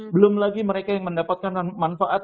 belum lagi mereka yang mendapatkan manfaat